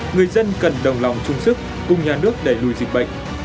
người dân cần đồng lòng chung sức cùng nhà nước đẩy lùi dịch bệnh